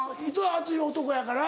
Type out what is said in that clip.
熱い男やから。